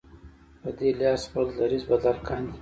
په دې لحاظ خپل دریځ بدل کاندي.